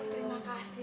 terima kasih bu sylvi